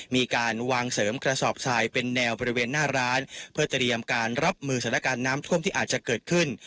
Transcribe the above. มีการวางเสริมกระสอบทรายเป็นแนวบริเวณหน้าร้านเพื่อเตรียมการรับมือสถานการณ์น้ำท่วมที่อาจจะเกิดขึ้น